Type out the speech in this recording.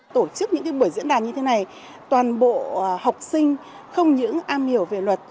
tổ chức những buổi diễn đàn như thế này toàn bộ học sinh không những am hiểu về luật